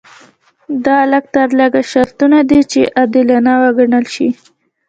دا لږ تر لږه شرطونه دي چې عادلانه وګڼل شي.